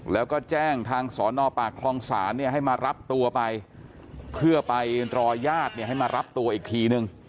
แล้วก็แจ้งทางศนขลองศาลให้มารับตัวไปเพื่อไปรอญาติให้มารับตัวอีกทีหนึ่ง